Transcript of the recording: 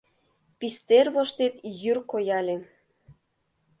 Пистер воштет йӱр кояле